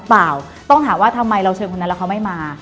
เปล่าต้องถามว่าทำไมเราเชิญคนนั้นแล้วเขาไม่มา